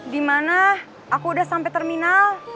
di mana aku udah sampe terminal